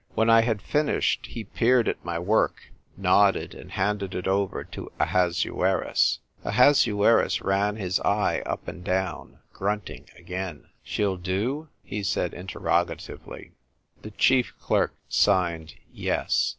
When I had finished, he peered at my work, nodded, and handed it over to Ahasuerus. Ahasuerus ran his eye up and down, grunt ing again. " She'll do ?" he said interroga tively. THE STRUGGLE FOR LIFE. 2^ The chief clerk signed jv<?5.